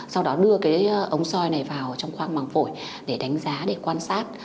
sau đó đưa ống soi này vào trong khoang măng phổi để đánh giá để quan sát